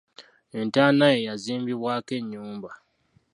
Entaana ye yazimbibwako ennyumba.